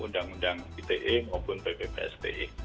undang undang ite maupun pbi psde